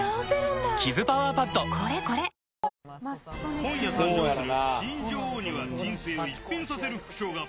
今夜誕生する新女王には人生を一変させる副賞が。